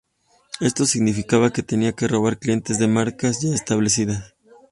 Esto significaba que tenía que robar clientes de marcas ya establecidas.